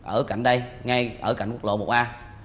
ở cạnh đây ngay ở cạnh quốc lộ một a